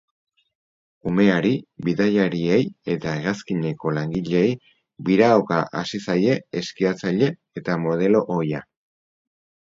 Umeari, bidaiariei eta hegazkineko langileei biraoka hasi zaie eskiatzaile eta modelo ohia.